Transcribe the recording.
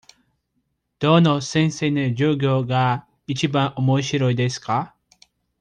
どの先生の授業がいちばんおもしろいですか。